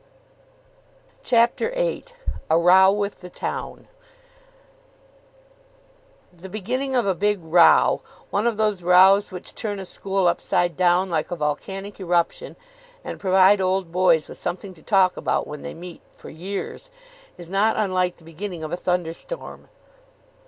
CHAPTER VIII A ROW WITH THE TOWN The beginning of a big row, one of those rows which turn a school upside down like a volcanic eruption and provide old boys with something to talk about, when they meet, for years, is not unlike the beginning of a thunderstorm.